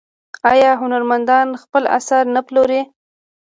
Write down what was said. آیا هنرمندان خپل اثار نه پلوري؟